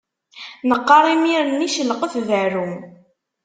Neqqaṛ imir-nni celqef berru.